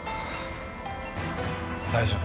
大丈夫。